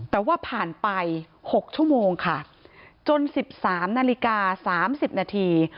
แต่ว่าผ่านไป๖ชั่วโมงค่ะจน๑๓นาฬิกา๓๐นาที